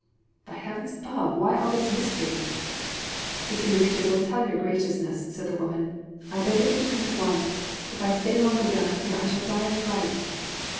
"But Heavens above, why all this mystery?" "The señorita will tell your Graciousness," said the woman, "I beg of you to come at once. If I stay longer down here I shall die of fright."